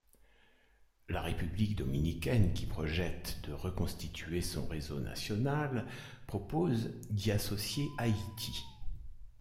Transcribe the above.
La République dominicaine qui projette de reconstituer son réseau national, propose d'y associer Haïti.